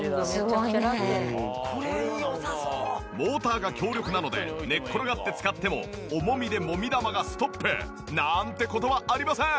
モーターが強力なので寝っ転がって使っても重みでもみ玉がストップなんて事はありません！